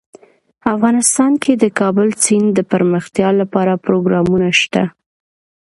افغانستان کې د کابل سیند دپرمختیا لپاره پروګرامونه شته.